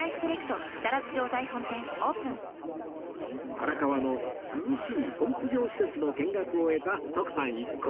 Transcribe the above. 荒川の涼しいポンプ場施設の見学を終えた徳さん一行